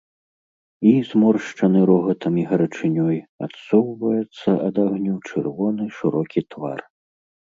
І, зморшчаны рогатам і гарачынёй, адсоўваецца ад агню чырвоны шырокі твар.